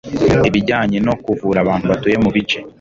ibijyanye no kuvura abantu batuye mu bice